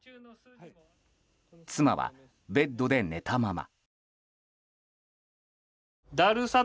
妻は、ベッドで寝たまま。